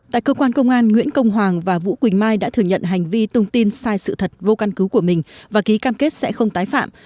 tại cơ quan công an nguyễn công hoàng và vũ quỳnh mai đã thừa nhận hành vi tung tin sai sự thật vô căn cứ của mình và ký cam kết sẽ không tái phạm